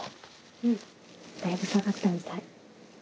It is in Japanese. うんだいぶ下がったみたい。